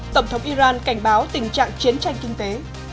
tổng thống iran cảnh báo tình trạng chiến tranh kinh tế